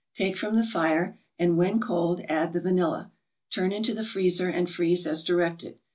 Take from the fire, and, when cold, add the vanilla. Turn into the freezer and freeze as directed.